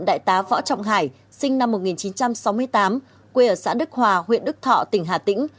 đại tá võ trọng hải sinh năm một nghìn chín trăm sáu mươi tám quê ở xã đức hòa huyện đức thọ tỉnh hà tĩnh